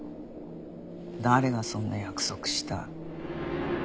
誰がそんな約束した？